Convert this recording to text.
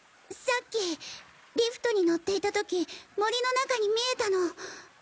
さっきリフトに乗っていた時森の中に見えたの。